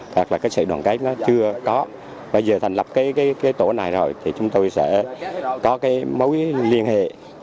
thật là cái sự đoàn kết nó chưa có bây giờ thành lập cái tổ này rồi thì chúng tôi sẽ có cái mối liên hệ